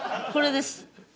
これです。